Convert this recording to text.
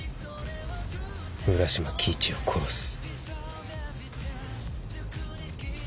浦島亀一を殺す。